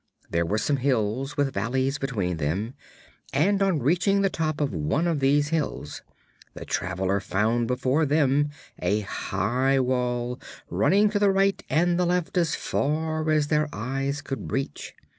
There were some hills, with valleys between them, and on reaching the top of one of these hills the travelers found before them a high wall, running to the right and the left as far as their eyes could reach.